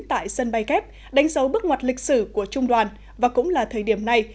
tại sân bay kép đánh dấu bước ngoặt lịch sử của trung đoàn và cũng là thời điểm này